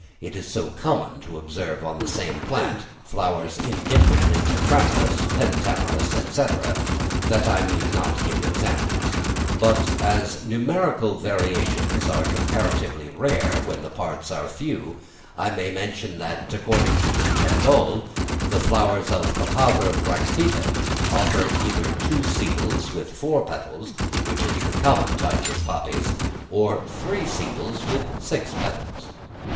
It is so common to observe on the same plant, flowers indifferently tetramerous, pentamerous, &c., that I need not give examples; but as numerical variations are comparatively rare when the parts are few, I may mention that, according to De Candolle, the flowers of Papaver bracteatum offer either two sepals with four petals (which is the common type with poppies), or three sepals with six petals.